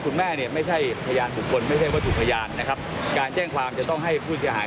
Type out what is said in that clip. ในการที่จะเดินทางไปสอบปากคัน